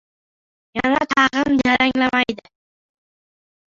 Yana-tag‘in jaranglamaydi!